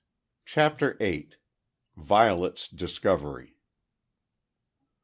CHAPTER EIGHT. VIOLET'S DISCOVERY.